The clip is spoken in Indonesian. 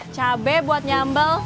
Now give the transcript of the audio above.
cabai buat nyambel